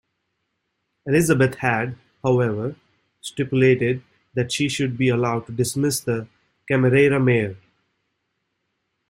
Elisabeth had, however, stipulated that she should be allowed to dismiss the "Camarera Mayor".